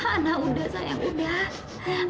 ana udah sayang udah